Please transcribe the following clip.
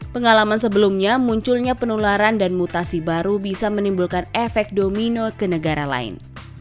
pengalaman sebelumnya munculnya penularan dan mutasi baru bisa menimbulkan efek domino ke negara lain